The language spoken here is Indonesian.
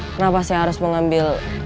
kenapa saya harus mengambil